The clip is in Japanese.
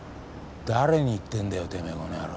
誰に言ってんだよてめぇこの野郎。